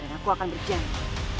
dan aku akan berjanji